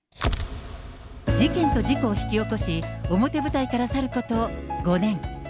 事件と事故を引き起こし、表舞台から去ること５年。